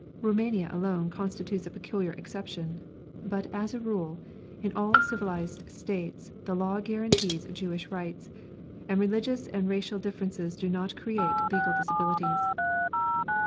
Roumania alone constitutes a peculiar exception. But, as a rule, in all civilised States the law guarantees Jewish rights, and religious and racial differences do not create legal disabilities.